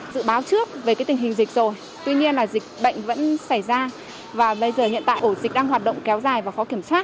dự báo trước về cái tình hình dịch rồi tuy nhiên là dịch bệnh vẫn xảy ra và bây giờ hiện tại ổ dịch đang hoạt động kéo dài và khó kiểm soát